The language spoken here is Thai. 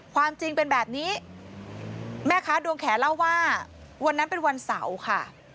ความจริงเป็นแบบนี้แม่ค้าดวงแขเล่าว่าวันนั้นเป็นวันเสาร์ค่ะ